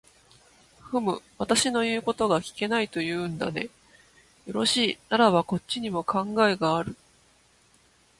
ふむ、私の言うことが聞けないと言うんだね。よろしい、ならばこっちにも考えがある。